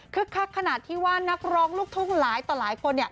คักขนาดที่ว่านักร้องลูกทุ่งหลายต่อหลายคน